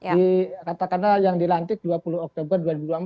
di katakanlah yang dilantik dua puluh oktober dua ribu dua puluh empat